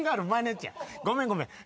ごめんごめん。